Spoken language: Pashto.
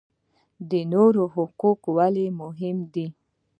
د نورو حقوق ولې مهم دي؟